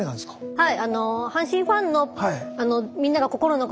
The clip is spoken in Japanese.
はい。